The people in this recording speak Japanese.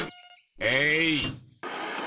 えい！